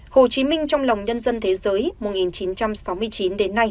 hồ chí minh trong lòng nhân dân thế giới một nghìn chín trăm sáu mươi